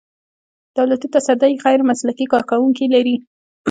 دولتي تصدۍ غیر مسلکي کارکوونکي لري.